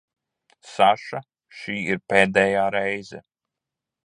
Saša, šī ir pēdējā reize.